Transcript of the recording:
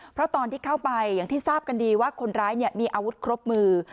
เพราะตอนที่เข้าไปอย่างที่ทราบกันดีว่าคนร้ายมีอาวุธครบมือ